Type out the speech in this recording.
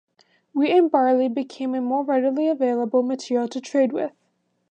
Wheat and barley became a more readily available material to trade with.